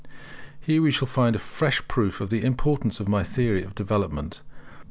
Here we shall find a fresh proof of the importance of my theory of development.